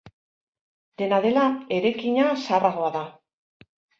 Dena dela, eraikina zaharragoa da.